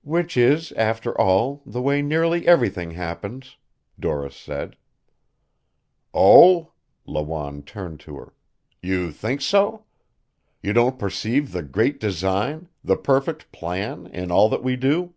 "Which is, after all, the way nearly everything happens," Doris said. "Oh," Lawanne turned to her, "You think so? You don't perceive the Great Design, the Perfect Plan, in all that we do?"